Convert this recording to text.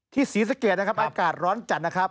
ที่สีสะเกจนะครับอากาศร้อนจันครับ